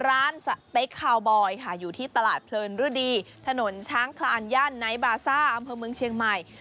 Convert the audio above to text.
สเต๊กคาวบอยค่ะอยู่ที่ตลาดเพลินฤดีถนนช้างคลานย่านไนท์บาซ่าอำเภอเมืองเชียงใหม่